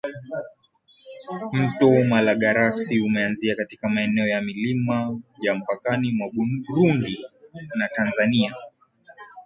Mto Malagarasi umeanzia katika maeneo ya milima ya mpakani mwa Burundi na Tanzania